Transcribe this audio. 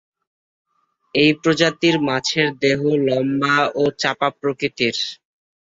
এই প্রজাতির মাছের দেহ লম্বা ও চাপা প্রকৃতির।